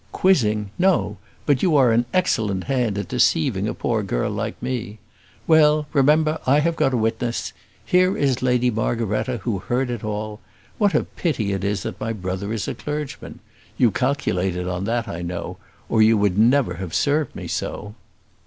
"Quizzing! No; but you are an excellent hand at deceiving a poor girl like me. Well, remember I have got a witness; here is Lady Margaretta, who heard it all. What a pity it is that my brother is a clergyman. You calculated on that, I know; or you would never had served me so."